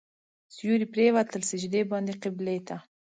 سیوري پرېوتل سجدې باندې قبلې ته.